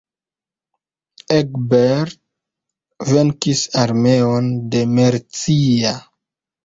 Egbert venkis armeon de Mercia.